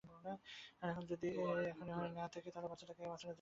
আর যদি এখনো হয়ে না থাকে তাহলে বাচ্চাটাকে বাঁচানো যেতে পারে।